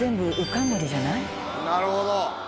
なるほど。